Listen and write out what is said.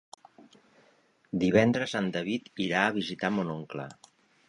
Divendres en David irà a visitar mon oncle.